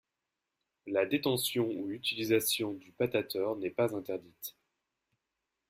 La détention ou utilisation du patator n'est pas interdite.